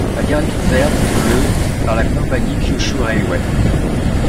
La gare est ouverte le par la compagnie Kyushu Railway.